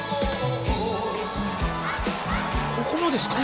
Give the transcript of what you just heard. ここもですか？